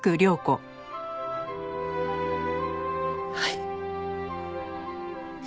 はい。